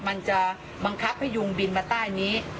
มันจะบังคับให้ยุงบินมาใต้นี้